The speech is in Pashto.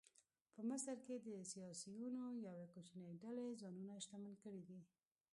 په مصر کې د سیاسیونو یوې کوچنۍ ډلې ځانونه شتمن کړي دي.